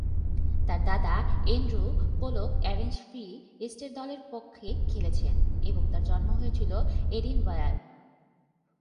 তার দাদা Andrew Pollock Orange Free State দলের পক্ষ হয়ে খেলেছেন এবং তার জন্ম হয়েছিল এডিনবরায়।